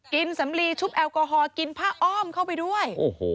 สำลีชุบแอลกอฮอลกินผ้าอ้อมเข้าไปด้วย